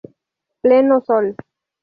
Pleno sol.